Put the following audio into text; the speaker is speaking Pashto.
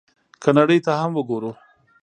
که نړۍ ته هم وګورو،